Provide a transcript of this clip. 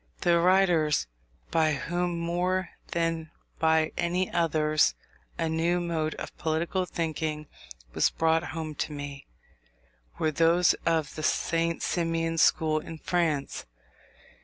The writers by whom, more than by any others, a new mode of political thinking was brought home to me, were those of the St. Simonian school in France.